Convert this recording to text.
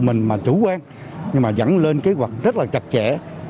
mình mà chủ quan nhưng mà dẫn lên kế hoạch rất là chặt chẽ